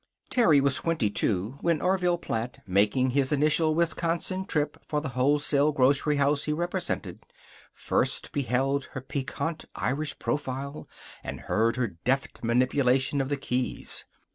Terry was twenty two when Orville Platt, making his initial Wisconsin trip for the wholesale grocery house he represented, first beheld her piquant Irish profile, and heard her deft manipulation of the keys.